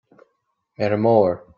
Ar an mbóthar